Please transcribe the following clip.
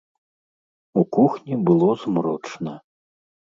У кухні было змрочна.